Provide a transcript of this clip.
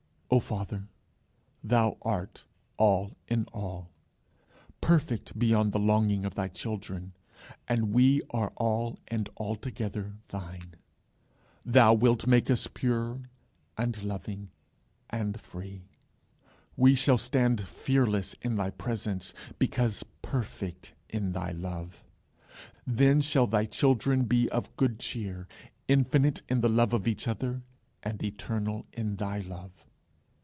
O Father, thou art All in all, perfect beyond the longing of thy children, and we are all and altogether thine. Thou wilt make us pure and loving and free. We shall stand fearless in thy presence, because perfect in thy love. Then shall thy children be of good cheer, infinite in the love of each other, and eternal in thy love.